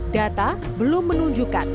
data belum menunjukkan